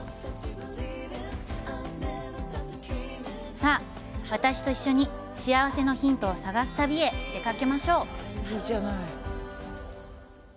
さあ、私と一緒に幸せのヒントを探す旅へ出かけましょう。